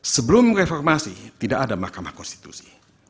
sebelum reformasi tidak ada mahkamah konstitusi